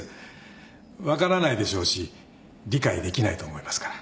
分からないでしょうし理解できないと思いますから。